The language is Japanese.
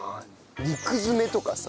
肉詰めとかさ。